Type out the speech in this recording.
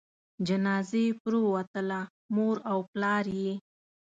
د جنازې پروتله؛ مور او پلار یې